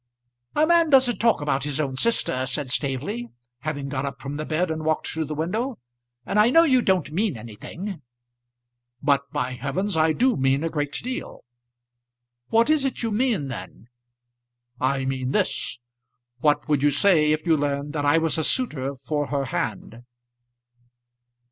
"A man doesn't talk about his own sister," said Staveley, having got up from the bed and walked to the window, "and I know you don't mean anything." "But, by heavens! I do mean a great deal." "What is it you mean, then?" "I mean this What would you say if you learned that I was a suitor for her hand?"